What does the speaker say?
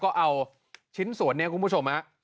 ก็เอาชิ้นส่วนนี้คุณผู้ชมฮะ